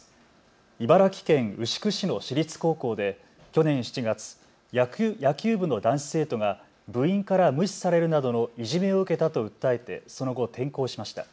茨城県牛久市の私立高校で去年７月、野球部の男子生徒が部員から無視されるなどのいじめを受けたと訴えてその後、転校しました。